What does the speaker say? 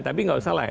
tapi tidak usah lah